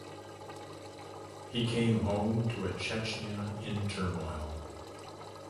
He came home to a Chechnya in turmoil.